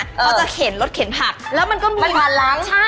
เขาจะเข็นรถเข็นผักแล้วมันก็มันมาล้าง